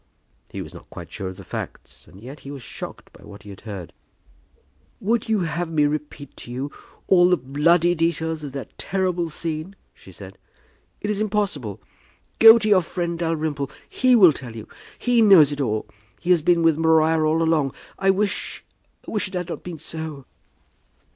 He was not quite sure of the facts, and yet he was shocked by what he had heard. "Would you have me repeat to you all the bloody details of that terrible scene?" she said. "It is impossible. Go to your friend Dalrymple. He will tell you. He knows it all. He has been with Maria all through. I wish, I wish it had not been so."